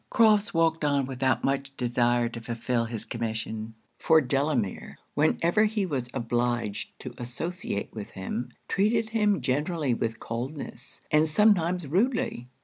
Crofts walked on without much desire to fulfill his commission; for Delamere, whenever he was obliged to associate with him, treated him generally with coldness, and sometimes rudely.